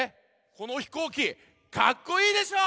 このひこうきかっこいいでしょ？